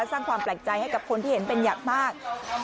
สร้างความแปลกใจให้กับคนที่เห็นเป็นอย่างมาก